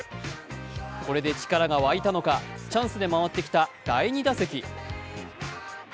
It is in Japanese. これで力が湧いたのかチャンスで回ってきた第２打席。